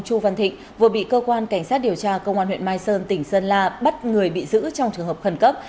chu văn thịnh vừa bị cơ quan cảnh sát điều tra công an huyện mai sơn tỉnh sơn la bắt người bị giữ trong trường hợp khẩn cấp